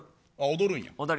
踊るんや。